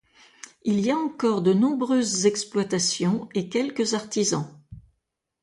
Il y a encore de nombreuses exploitations et quelques artisans.